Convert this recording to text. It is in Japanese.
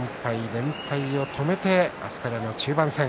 連勝を止めて明日からの中盤戦。